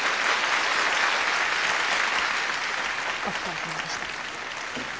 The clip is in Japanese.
お疲れさまでした。